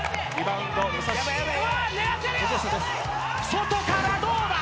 外からどうだ！？